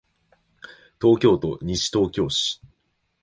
東京都西東京市